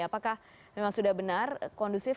apakah memang sudah benar kondusif